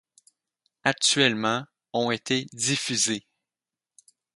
Actuellement, ont été diffusés.